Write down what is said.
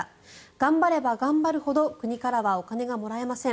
頑張れば頑張るほど国からはお金がもらえません。